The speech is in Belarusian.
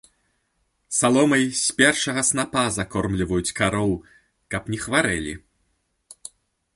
Саломай з першага снапа закормліваюць кароў, каб не хварэлі.